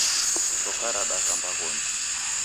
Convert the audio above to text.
Choka radaka mbaghonyi